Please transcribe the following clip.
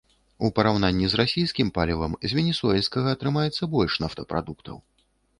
У параўнанні з расійскім палівам, з венесуэльскага атрымаецца больш нафтапрадуктаў.